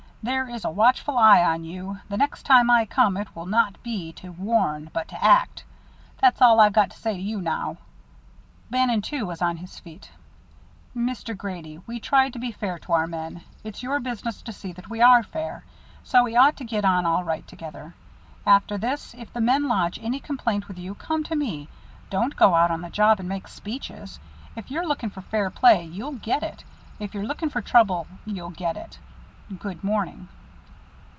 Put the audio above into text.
There is a watchful eye on you. The next time I come it will not be to warn, but to act. That's all I've got to say to you now." Bannon, too, was on his feet. "Mr. Grady, we try to be fair to our men. It's your business to see that we are fair, so we ought to get on all right together. After this, if the men lodge any complaint with you, come to me; don't go out on the job and make speeches. If you're looking for fair play, you'll get it. If you're looking for trouble, you'll get it. Good morning."